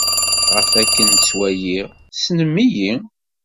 Ɣef wakken ttwaliɣ, tessnem-iyi.